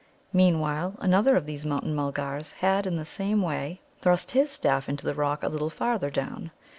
Meanwhile, another of these Mountain mulgars had in the same way thrust his staff into the rock a little farther down.